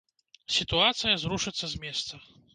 Сітуацыя зрушыцца з месца.